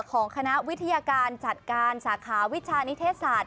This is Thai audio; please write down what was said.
ของคณะวิทยาการจัดการสาขาวิชานิเทศศาสต